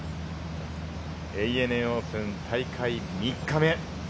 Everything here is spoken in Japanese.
ＡＮＡオープン大会３日目。